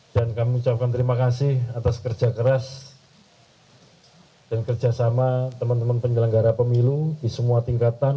dan kami ucapkan terima kasih atas kerja keras dan kerjasama teman teman penyelenggara pemilu di semua tingkatan